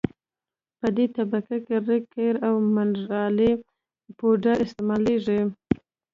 په دې طبقه کې ریګ قیر او منرالي پوډر استعمالیږي